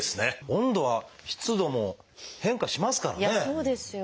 温度は湿度も変化しますからね。